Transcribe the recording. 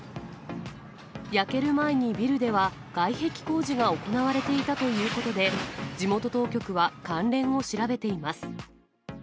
焼ける前にビルでは外壁工事が行われていたということで、地元当局は関連を調べています。